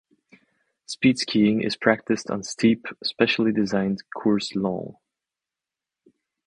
Speed skiing is practiced on steep, specially designed courses long.